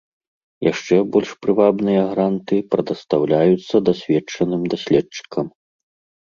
Яшчэ больш прывабныя гранты прадастаўляюцца дасведчаным даследчыкам.